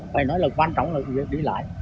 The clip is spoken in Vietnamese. phải nói là quan trọng là việc đi lại